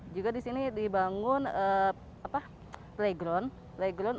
juga di sini dibangun playground